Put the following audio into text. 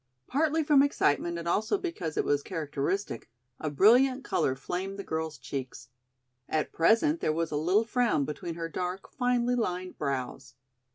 Partly from excitement and also because it was characteristic, a brilliant color flamed the girl's cheeks. At present there was a little frown between her dark, finely lined brows.